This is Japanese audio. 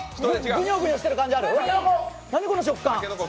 ぐにょぐにょしてる感じもある。